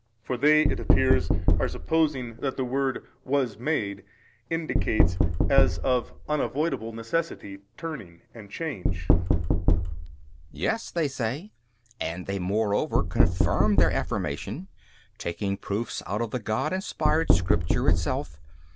For they (it appears) are supposing that the word Was made indicates as of unavoidable necessity, turning and change. B. Yes (they say), and they moreover confirm their affirmation, taking proofs out of the God inspired Scripture itself.